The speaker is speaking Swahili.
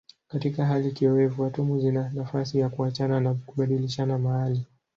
Katika hali kiowevu atomu zina nafasi ya kuachana na kubadilishana mahali.